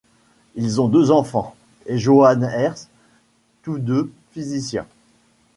Ils ont deux enfants, et Johannes Hertz, tous deux physiciens.